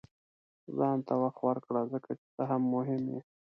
• ځان ته وخت ورکړه، ځکه چې ته هم مهم یې.